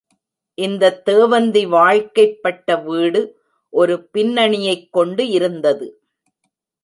இந்தத் தேவந்தி வாழ்க்கைப்பட்ட வீடு ஒரு பின்னணியைக் கொண்டு இருந்தது.